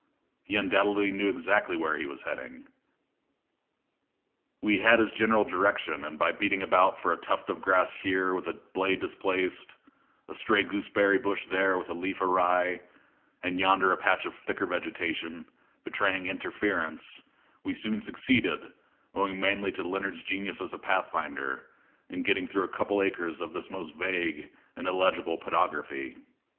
He undoubtedly knew exactly where he was heading. We had his general direction, and by beating about for a tuft of grass here with a blade displaced, a stray gooseberry bush there with a leaf awry, and yonder a patch of thicker vegetation, betraying interference, we soon succeeded, owing mainly to Leonard's genius as a pathfinder, in getting through a couple of acres of this most vague and illegible pedography.